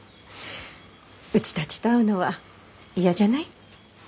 うちたちと会うのは嫌じゃない？